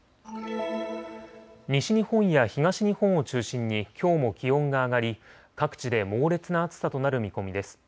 西日本や東日本を中心にきょうも気温が上がり各地で猛烈な暑さとなる見込みです。